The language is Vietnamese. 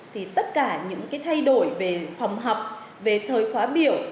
thì tất cả những cái thay đổi về phòng học về thời khóa biểu